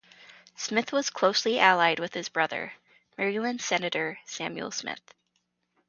Smith was closely allied with his brother, Maryland Senator Samuel Smith.